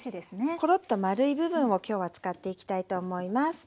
コロッと丸い部分を今日は使っていきたいと思います。